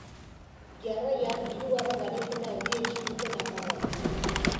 Jarraian hirugarren garaipena erdietsi dute nafarrek.